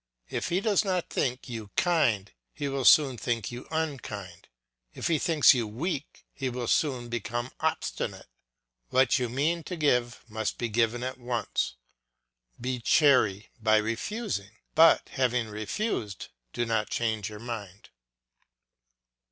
If he does not think you kind he will soon think you unkind; if he thinks you weak he will soon become obstinate; what you mean to give must be given at once. Be chary of refusing, but, having refused, do not change your mind.